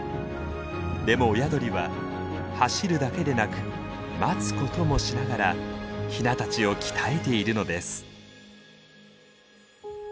でも親鳥は走るだけでなく待つこともしながらヒナたちを鍛えているのです。